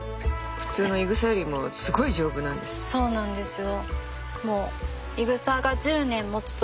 そうなんですよ。